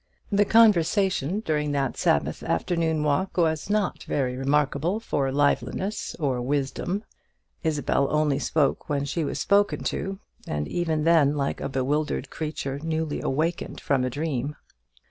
The conversation during that Sabbath afternoon walk was not very remarkable for liveliness or wisdom. Isabel only spoke when she was spoken to, and even then like a bewildered creature newly awakened from a dream.